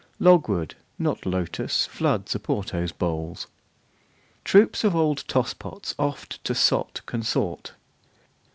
Logwood, not lotos, floods Oporto's bowls. Troops of old tosspots oft to sot consort.